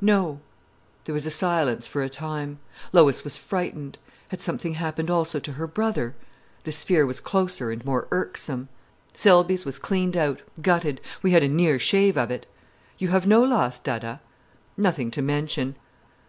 "No." There was silence for a time. Lois was frightened. Had something happened also to her brother? This fear was closer and more irksome. "Selby's was cleaned out, gutted. We had a near shave of it——" "You have no loss, Dadda?" "Nothing to mention."